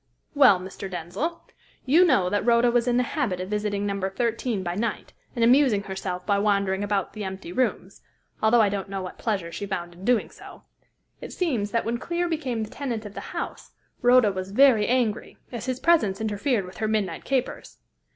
"Well, Mr. Denzil, you know that Rhoda was in the habit of visiting No. 13 by night and amusing herself by wandering about the empty rooms, although I don't know what pleasure she found in doing so. It seems that when Clear became the tenant of the house, Rhoda was very angry, as his presence interfered with her midnight capers.